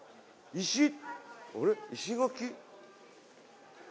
石垣。